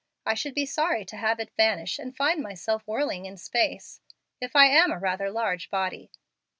I should be sorry to have it vanish and find myself whirling in space, if I am a rather large body.